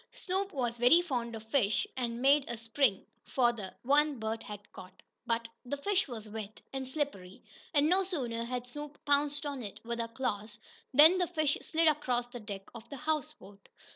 Snoop was very fond of fish, and made a spring for the one Bert had caught. But the fish was wet and slippery, and no sooner had Snoop pounced on it with her claws than the fish slid across the deck of the houseboat.